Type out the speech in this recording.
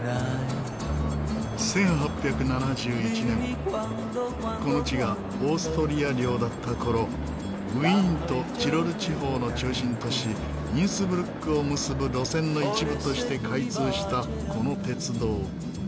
１８７１年この地がオーストリア領だった頃ウィーンとチロル地方の中心都市インスブルックを結ぶ路線の一部として開通したこの鉄道。